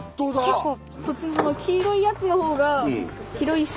結構。